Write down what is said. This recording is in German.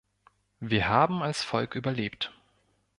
Wir haben als Volk überlebt.